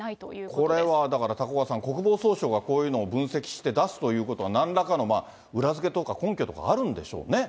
これはだから高岡さん、国防総省が、こういうのを分析して出すということは、なんらかの裏付けとか根拠ってあるんでしょうね。